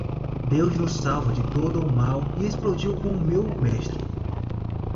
Deus nos salva de todo o mal e explodiu com meu mestre.